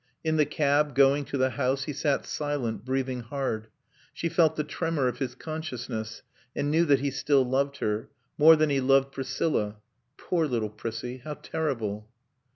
In the cab, going to the house, he sat silent, breathing hard; she felt the tremor of his consciousness and knew that he still loved her; more than he loved Priscilla. Poor little Prissie. How terrible!